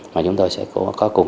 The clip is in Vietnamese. mà chúng tôi sẽ có cùng